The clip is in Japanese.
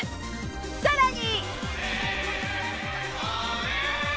さらに。